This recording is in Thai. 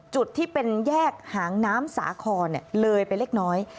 จุดที่เป็นแยกหางน้ำสาครเลยไปเล็กน้อย